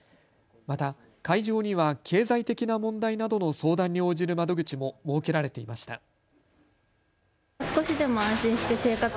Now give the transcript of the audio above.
また会場には経済的な問題などの相談に応じる窓口も設けられていました。